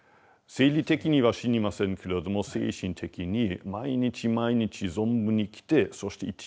生理的には死にませんけれども精神的に毎日毎日存分に生きてそして１日分だけ死ぬ。